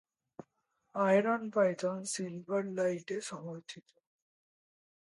IronPython সিলভারলাইটে সমর্থিত।